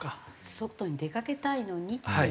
外に出かけたいのにっていう。